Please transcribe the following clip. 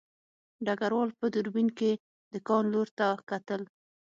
ډګروال په دوربین کې د کان لور ته کتل